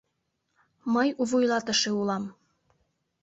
Мый у вуйлатыше улам...